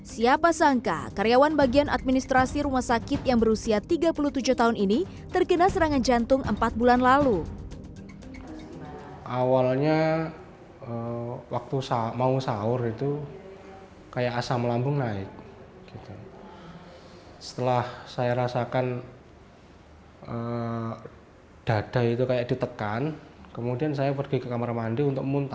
siapa sangka karyawan bagian administrasi rumah sakit yang berusia tiga puluh tujuh tahun ini terkena serangan jantung empat bulan lalu